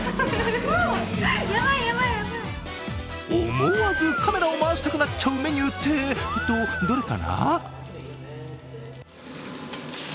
思わずカメラを回したくなっちゃうメニューって、どれかな？